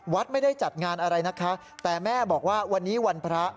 วัดไม่ได้จัดงานอะไรนะคะแต่แม่บอกว่าวันนี้วันพระ